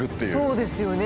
そうですよね。